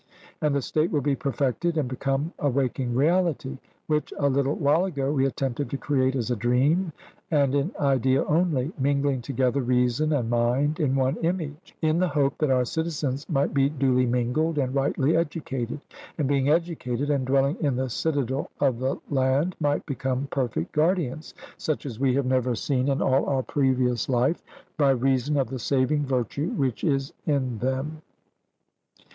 And the state will be perfected and become a waking reality, which a little while ago we attempted to create as a dream and in idea only, mingling together reason and mind in one image, in the hope that our citizens might be duly mingled and rightly educated; and being educated, and dwelling in the citadel of the land, might become perfect guardians, such as we have never seen in all our previous life, by reason of the saving virtue which is in them.